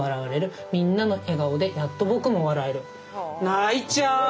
泣いちゃう。